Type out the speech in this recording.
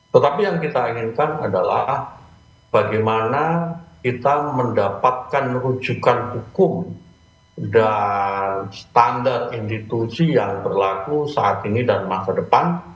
tetapi yang kita inginkan adalah bagaimana kita mendapatkan rujukan hukum dan standar institusi yang berlaku saat ini dan masa depan